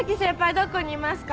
どこにいますか？